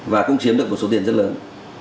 và cũng chiếm được một số tiền rất lớn